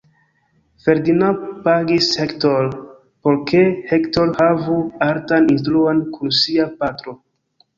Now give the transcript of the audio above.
Ferdinand pagis Hector, por ke Hector havu artan instruon kun sia patro.